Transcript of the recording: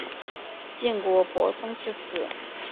晋国伯宗之子。